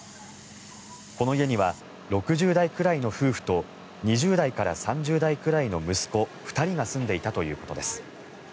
この家には６０代くらいの夫婦と２０代から３０代くらいの息子２人が住んでいたということです。